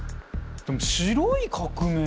でも「白い革命」